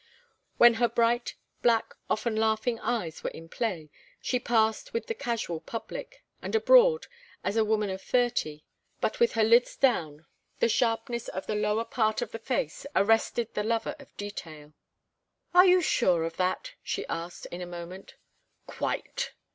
When her bright, black, often laughing eyes were in play she passed with the casual public, and abroad, as a woman of thirty, but with her lids down the sharpness of the lower part of the face arrested the lover of detail. "Are you sure of that?" she asked, in a moment. "Quite."